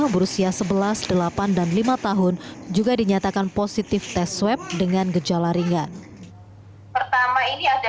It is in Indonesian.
berusia sebelas delapan dan lima tahun juga dinyatakan positif tes swab dengan gejala ringan pertama ini ada